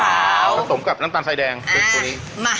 กระโตงกับน้ำตาลสายแดงเป็นตัวนี้